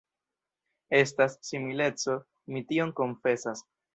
Estas simileco; mi tion konfesas.